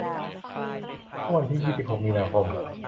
เมื่อวันที่ยี่สิบหกมีนาคม